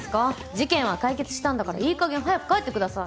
事件は解決したんだからいいかげん早く帰ってください。